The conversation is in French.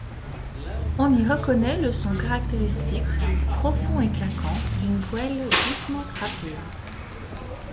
On y reconnaît le son caractéristique, profond et claquant, d'une poêle doucement frappée.